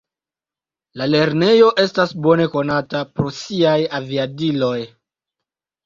La lernejo estas bone konata pro siaj aviadiloj.